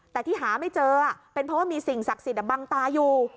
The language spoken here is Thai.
แต่ที่หาไม่เจอเป็นเพราะว่ามีสิ่งศักดิ์สิทธิ์บังตาอยู่